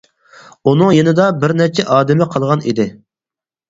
ئۇنىڭ يېنىدا بىرنەچچە ئادىمى قالغان ئىدى.